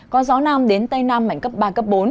có gió nam đến tây nam mạnh cấp ba cấp bốn